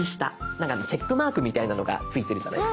なんかチェックマークみたいなのがついてるじゃないですか。